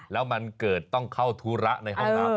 แล้วมันเกิดต้องเข้าธุระในห้องน้ำ